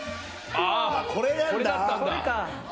あぁこれだったんだ。